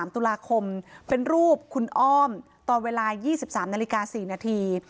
๓ตุลาคมเป็นรูปคุณอ้อมตอนเวลา๒๓นาฬิกา๔นาที